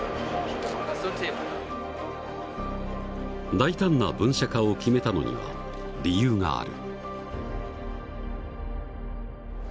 大胆な分社化を決めたのには理由がある。